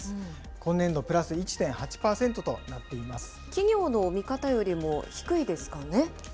今年度プラス１．８％となってい企業の見方よりも低いですかね。